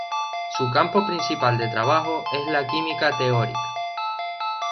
Su campo principal de trabajo es la química teórica.